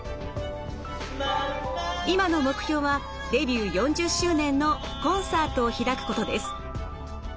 今の目標はデビュー４０周年のコンサートを開くことです。